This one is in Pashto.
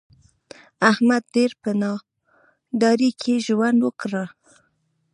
احمد ډېر په نادارۍ کې ژوند وکړ.